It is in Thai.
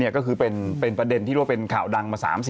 ก็คือเป็นประเด็นที่ว่าเป็นข่าวดังมา๓๐